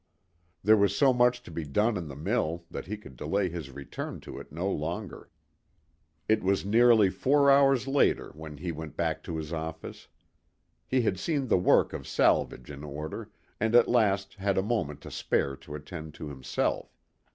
There was so much to be done in the mill that he could delay his return to it no longer. It was nearly four hours later when he went back to his office. He had seen the work of salvage in order, and at last had a moment to spare to attend to himself.